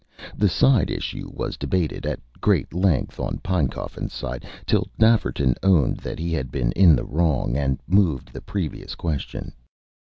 The side issue was debated, at great length on Pinecoffin's side, till Nafferton owned that he had been in the wrong, and moved the previous question.